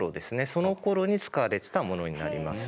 そのころに使われてたものになります。